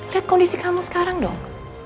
lihat kondisi kamu sekarang dong